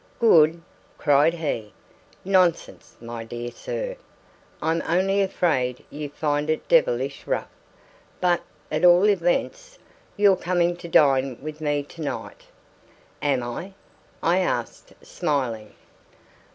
"Good?" cried he. "Nonsense, my dear sir! I'm only afraid you find it devilish rough. But, at all events, you're coming to dine with me to night." "Am I?" I asked, smiling.